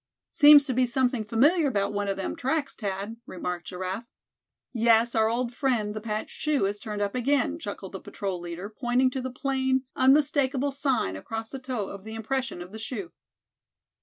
"Seems to be something familiar about one of them tracks, Thad," remarked Giraffe. "Yes, our old friend, the patched shoe, has turned up again," chuckled the patrol leader, pointing to the plain, unmistakable sign across the toe of the impression of the shoe.